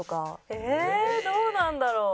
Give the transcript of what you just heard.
ええどうなんだろう？